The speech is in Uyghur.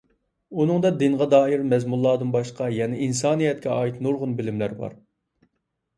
ئۇنىڭدا دىنغا دائىر مەزمۇنلاردىن باشقا يەنە ئىنسانىيەتكە ئائىت نۇرغۇن بىلىملەر بار.